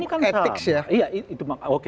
etik ya iya itu oke